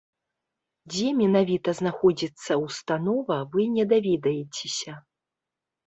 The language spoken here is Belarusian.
Дзе менавіта знаходзіцца установа, вы не даведаецеся.